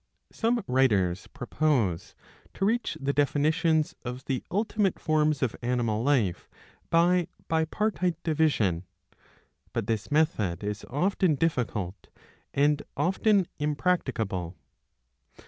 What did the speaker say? Some ^ writers propose to reach the definitions of the ultimate forms of animal life by bipartite division. But this method is often difficult, and often impracticable.